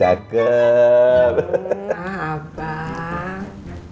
ya enggak abang